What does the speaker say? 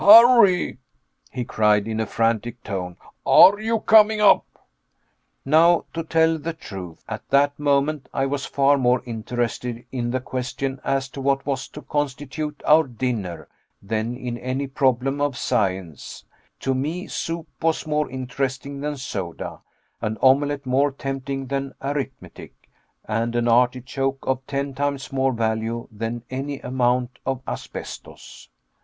"Harry!" he cried, in a frantic tone, "are you coming up?" Now to tell the truth, at that moment I was far more interested in the question as to what was to constitute our dinner than in any problem of science; to me soup was more interesting than soda, an omelette more tempting than arithmetic, and an artichoke of ten times more value than any amount of asbestos.